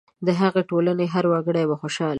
د هغې ټولنې هر وګړی به خوشاله وي.